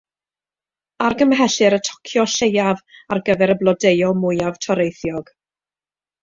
Argymhellir y tocio lleiaf ar gyfer y blodeuo mwyaf toreithiog.